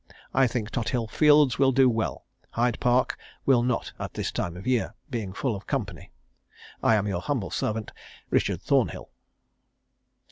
I think Tothill Fields will do well; Hyde Park will not at this time of year, being full of company. "I am your humble servant, "RICHARD THORNHILL."